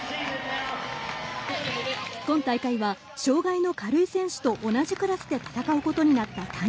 今大会は、障がいの軽い選手と同じクラスで戦うことになった谷。